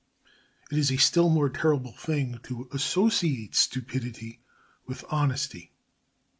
It is a still more terrible thing to associate stupidity with honesty.